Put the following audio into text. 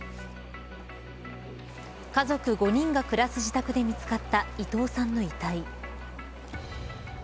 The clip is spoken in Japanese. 家族５人が暮らす自宅で見つかった伊藤さんの遺体。